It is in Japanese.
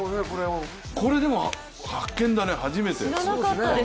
これでも発見だね、初めて。